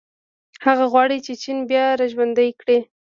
هغه غواړي چې چین بیا راژوندی کړي.